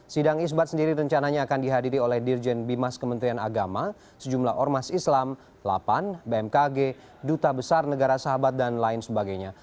sidang isbat sendiri rencananya akan dihadiri oleh dirjen bimas kementerian agama sejumlah ormas islam lapan bmkg duta besar negara sahabat dan lain sebagainya